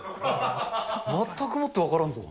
全くもって分からんぞ。